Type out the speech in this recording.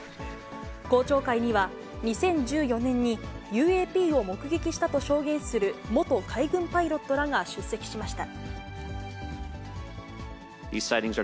公聴会には２０１４年にＵＡＰを目撃したと証言する元海軍パイロットらが出席しました。